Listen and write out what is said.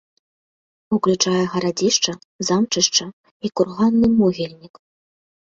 Уключае гарадзішча, замчышча і курганны могільнік.